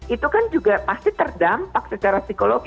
itu kan juga pasti terdampak secara psikologi